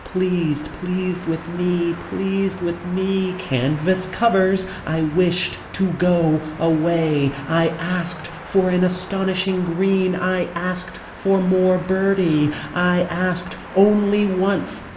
Pleased. Pleased with me. Pleased with me. Canvas covers. I wished to go away. I asked for an astonishing green I asked for more Bertie. I asked only once.